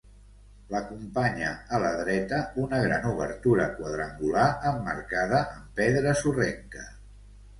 L'acompanya a la dreta una gran obertura quadrangular emmarcada amb pedra sorrenca.